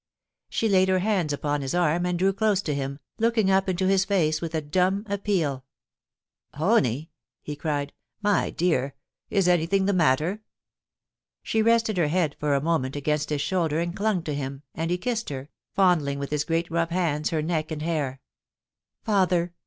* She laid her hands upon his arm and drew close to him, looking up into his face with a dumb appeal * Honie T he cried, * my dear, is anything the matter ?• She rested her head for a moment against his shoulder and clung to him, and he kissed her, fondling with his great rough hands her neck and hair. •Father!'